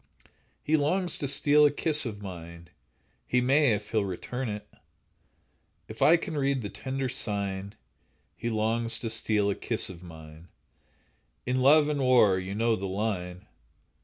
He longs to steal a kiss of mine— He may, if he'll return it! If I can read the tender sign, He longs to steal a kiss of mine; "In love and war"—you know the line.